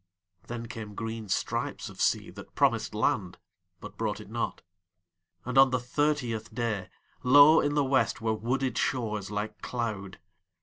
Then came green stripes of sea that promised landBut brought it not, and on the thirtieth dayLow in the West were wooded shores like cloud.